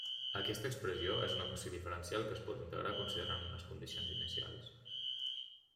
Aquesta expressió és una equació diferencial que es pot integrar considerant unes condicions inicials.